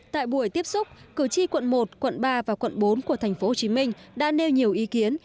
tại buổi tiếp xúc cử tri quận một quận ba và quận bốn của tp hcm đã nêu nhiều ý kiến